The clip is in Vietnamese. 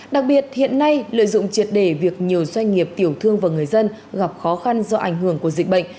đặc biệt hiện nay lợi dụng triệt để việc nhiều doanh nghiệp tiểu thương và người dân gặp khó khăn do ảnh hưởng của dịch bệnh